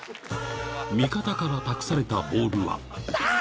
味方から託されたボールはだぁぁ！